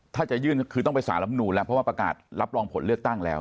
ถ้าจะยื่นก็คือต้องไปสารลำนูนแล้วเพราะว่าประกาศรับรองผลเลือกตั้งแล้ว